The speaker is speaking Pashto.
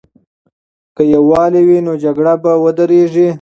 که یووالی وي، نو جګړه به ودریږي.